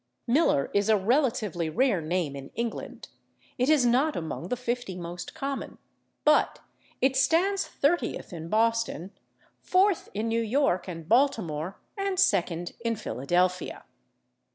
/Miller/ is a relatively rare name in England; it is not among the fifty most common. But it stands thirtieth in Boston, fourth in New York and Baltimore, and second in Philadelphia.